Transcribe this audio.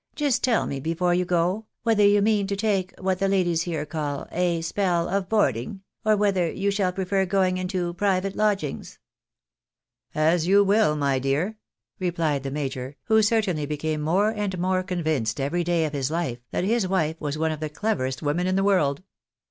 " Just tell me be fore you go, whether you mean to take what the ladies here call ' a spell of boarding,' or whether you shall prefer going into private lodgings ?"" As you will, my dear," rephed the major, who certainly became more and more convinced every day of his life that his wife was one of the cleverest women in the world.